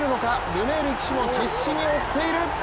ルメール騎手も必死に追っている！